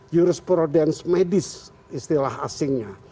jurisprudens medis istilah asingnya